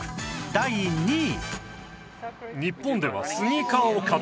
第２位